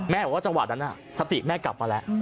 บอกว่าจังหวะนั้นสติแม่กลับมาแล้ว